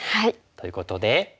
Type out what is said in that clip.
ということで。